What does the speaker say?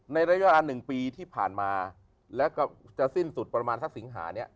ในระยะอันหนึ่งปีที่ผ่านมาแล้วก็จะสิ้นสุดประมาณสักสิงหาเนี่ย